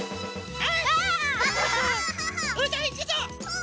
あ！